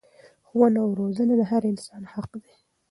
ښوونه او روزنه د هر انسان حق دی.